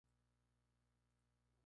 La sede del condado es Kimball.